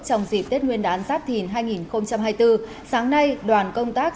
trong dịp tết nguyên đán giáp thìn hai nghìn hai mươi bốn sáng nay đoàn công tác